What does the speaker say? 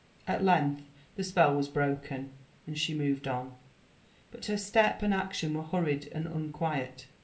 , At length the spell was broken, and she moved on ; but her rtep and action were hurried and unquiet.